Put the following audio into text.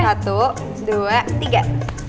satu dua tiga